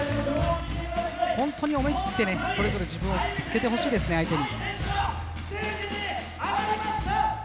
本当に思い切ってねそれぞれ自分をぶつけてほしいですね相手に。